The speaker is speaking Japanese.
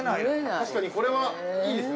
◆確かにこれはいいですね。